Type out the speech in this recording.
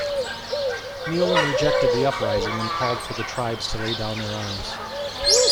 Neolin rejected the uprising, and called for the tribes to lay down their arms.